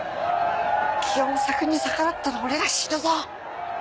キヨマサ君に逆らったら俺ら死ぬぞ。